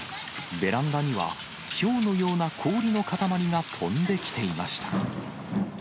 ベランダには、ひょうのような氷の塊が飛んできていました。